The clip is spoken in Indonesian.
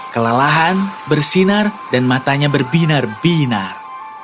kelelahan bersinar dan matanya berbinar binar